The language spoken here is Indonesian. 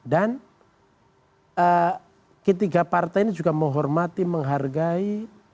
dan ketiga partai ini juga menghormati menghargai